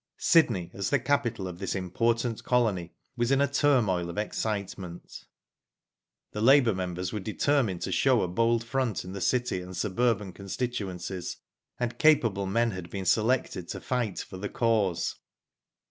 Sydney, as the capital of this important colony, was in a turmoil of excitement. The labour members were determined to show a bold front in the city and suburban constituencies, and capable men had been selected to fight for the cause.